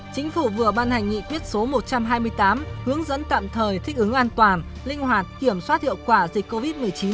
chính phủ vừa ban hành nghị quyết số một trăm hai mươi tám hướng dẫn tạm thời thích ứng an toàn linh hoạt kiểm soát hiệu quả dịch covid một mươi chín